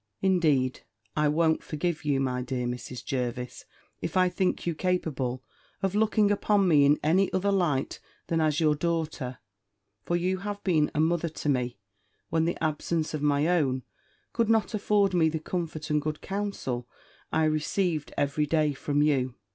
Indeed, I won't forgive you, my dear Mrs. Jervis, if I think you capable of looking upon me in any other light than as your daughter; for you have been a mother to me, when the absence of my own could not afford me the comfort and good counsel I received every day from you."